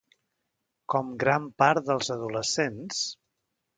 Com gran part dels adolescents...